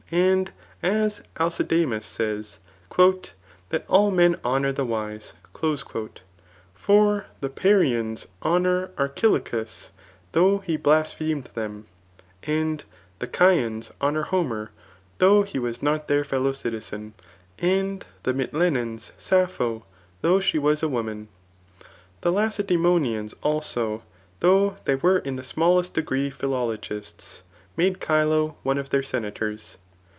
And as Alcidamas says, "That all men honour the wise." For the Parians honour Archilochus, though he blasphemed them ; the Chians honour Homer, though he was not their fellow cirizen ; and the Mitylenans Sappho, though she was a woman. The Lacedaemonians^ also, though they were in the smallest degree philologists, made Chilo one of their senators.